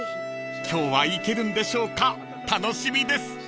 ［今日は行けるんでしょうか楽しみです］